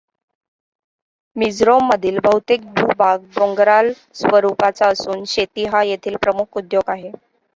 मिझोरममधील बहुतेक भू भाग डोंगराळ स्वरूपाचा असून शेती हा येथील प्रमुख उद्योग आहे.